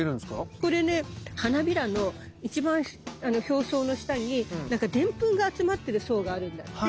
これね花びらの表層の下にでんぷんが集まってる層があるんだって。